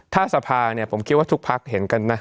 ถ้าสภาผมคิดว่าทุกภัคดิ์เห็นกันนะ